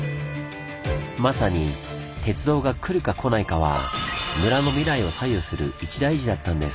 まさに鉄道が来るか来ないかは村の未来を左右する一大事だったんです。